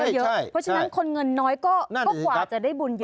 เพราะฉะนั้นคนเงินน้อยก็กว่าจะได้บุญเยอะ